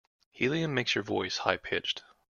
Helium makes your voice high pitched.